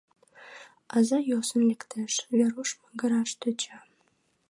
Аза йӧсын лектеш, Веруш магыраш тӧча.